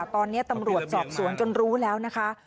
ตอนนี้ตำรวจสอบสวนจนรู้แล้วนะคะ